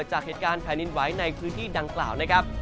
จากเหตุการณ์แผ่นดินไว้ในพื้นที่หล่างจาก